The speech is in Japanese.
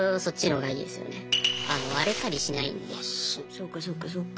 そっかそっかそっか。